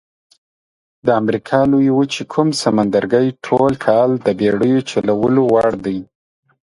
د امریکا لویې وچې کوم سمندرګي ټول کال د بېړیو چلولو وړ دي؟